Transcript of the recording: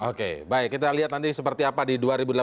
oke baik kita lihat nanti seperti apa di dua ribu delapan belas